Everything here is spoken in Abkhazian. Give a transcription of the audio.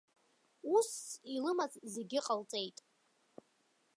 Усс илымаз зегьы ҟалҵеит.